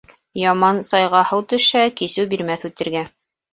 Яман сайға һыу төшһә, кисеү бирмәҫ үтергә.